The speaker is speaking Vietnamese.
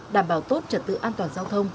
đảm bảo tốt trật tự an toàn giao thông